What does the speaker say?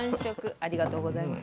ありがとうございます。